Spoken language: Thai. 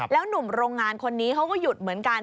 หนุ่มโรงงานคนนี้เขาก็หยุดเหมือนกัน